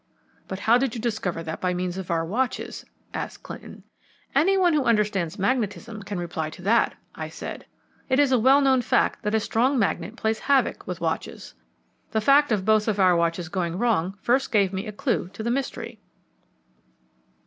"But how did you discover by means of our watches?" asked Clinton. "Any one who understands magnetism can reply to that," I said. "It is a well known fact that a strong magnet plays havoc with watches. The fact of both our watches going wrong first gave me a clue to the mystery."